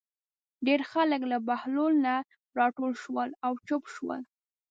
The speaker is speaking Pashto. ډېر خلک له بهلول نه راټول شول او چوپ شول.